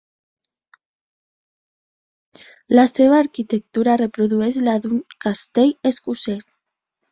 La seva arquitectura reprodueix la d'un castell escocès.